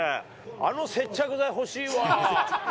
あの接着剤欲しいわ。